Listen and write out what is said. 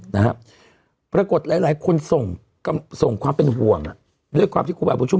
นะฮะปรากฏหลายหลายคนส่งส่งความเป็นห่วงอ่ะด้วยความที่ครูบาบุญชุ